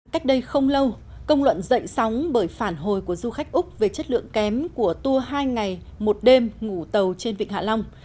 cách đây không lâu công luận dậy sóng bởi phản hồi của du khách úc về chất lượng kém của tour hai ngày một đêm ngủ tàu trên vịnh hạ long